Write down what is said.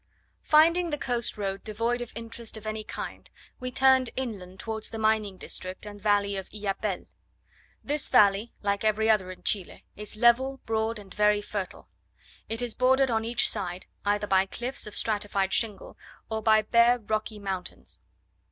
Finding the coast road devoid of interest of any kind, we turned inland towards the mining district and valley of Illapel. This valley, like every other in Chile, is level, broad, and very fertile: it is bordered on each side, either by cliffs of stratified shingle, or by bare rocky mountains.